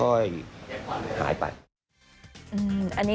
อันนี้ดิฉันก็ไม่มั่นใจว่าพี่ติ๊กกำลังพูดถึงเรื่องอะไรอยู่